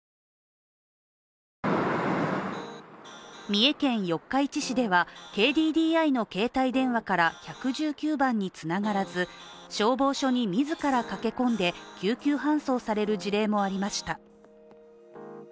三重県四日市市では、ＫＤＤＩの携帯電話から１１９番につながらず消防署に自ら駆け込んで救急搬送される事例もありました。